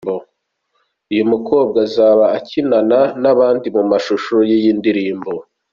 Uyu mukobwa azaba akinana n'abandi mu mashusho y'iyi ndirimbo.